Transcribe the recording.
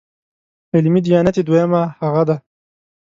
علمي دیانت یې دویمه هغه ده.